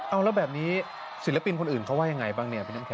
เอาแล้วแบบนี้ศิลปินคนอื่นเขาว่ายังไงบ้างเนี่ยพี่น้ำแข